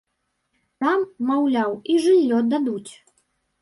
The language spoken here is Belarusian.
Там, маўляў, і жыллё дадуць.